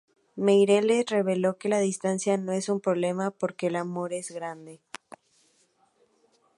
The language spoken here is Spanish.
Meireles reveló que la distancia no es un problema, porque el amor es grande.